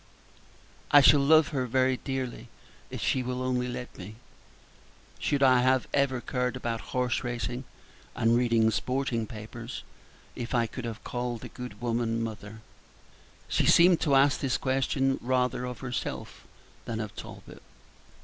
"I shall love her very dearly if she will only let me. Should I have ever cared about horse racing, and read sporting papers, if I could have called a good woman 'mother?'" She seemed to ask this question rather of herself than of Talbot.